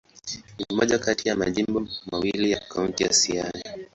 Ni moja kati ya majimbo mawili ya Kaunti ya Siaya.